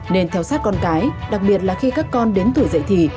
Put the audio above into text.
nên theo sát con cái đặc biệt là khi các con đến tuổi dậy thì